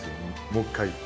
もう一回。